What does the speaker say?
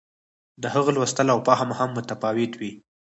د هغه لوستل او فهم هم متفاوت وي.